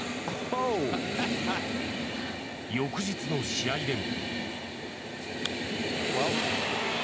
翌日の試合でも。